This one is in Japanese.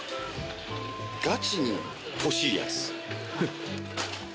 ガチに欲しいやつ。